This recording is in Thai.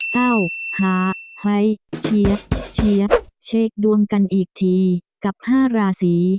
เก้าหาให้เชียบเชียบเช็คดวงกันอีกทีกับ๕ราศี